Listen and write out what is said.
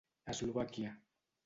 Eslovàquia.